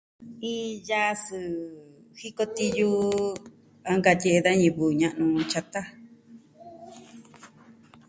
Iin yaa sɨɨ jiko tiyu a nkatie'e da ñivɨ ña'nu tyata.